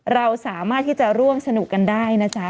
เราสามารถที่จะร่วมสนุกกันได้นะจ๊ะ